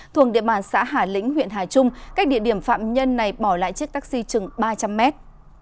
thuộc địa bàn xã hà lĩnh huyện hà trung cách địa điểm phạm nhân này bỏ lại chiếc taxi chừng ba trăm linh mét